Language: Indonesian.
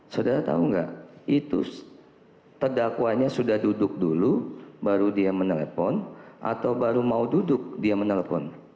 saudara tahu nggak itu terdakwanya sudah duduk dulu baru dia menelpon atau baru mau duduk dia menelpon